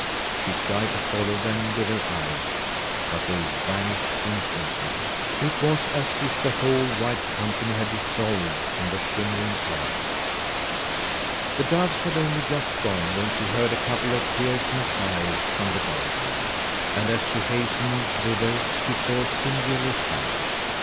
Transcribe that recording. She tried to follow them with her eyes, but they vanished instantly. It was as if the whole white company had dissolved in the shimmering air. The doves had only just gone when she heard a couple of piercing cries from the garden, and as she hastened thither she saw a singular sight.